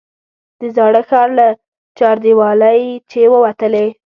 د زاړه ښار له چاردیوالۍ چې ووتلې.